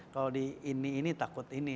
kalau di ini ini takut ini